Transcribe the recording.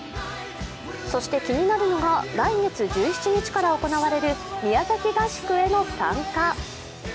そして気になるのが来月１７日から行われる宮崎合宿への参加。